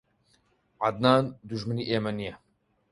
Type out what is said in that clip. عەدنان دوژمنی ئێمە نییە.